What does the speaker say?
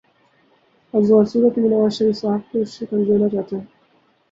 آج وہ ہر صورت میں نوازشریف صاحب کو شکست دینا چاہتے ہیں